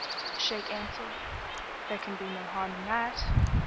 The Shaykh answered, 'There can be no harm in that.'